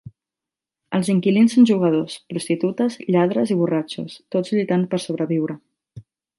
Els inquilins són jugadors, prostitutes, lladres i borratxos, tots lluitant per sobreviure.